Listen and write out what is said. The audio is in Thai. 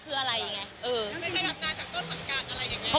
คืออะไรไง